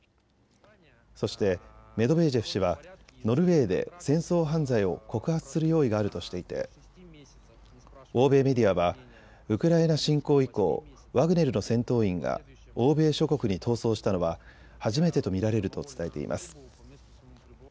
そしてメドベージェフ氏はノルウェーで戦争犯罪を告発する用意があるとしていて欧米メディアはウクライナ侵攻以降、ワグネルの戦闘員が欧米諸国に逃走したのは初めてと見られると伝えています。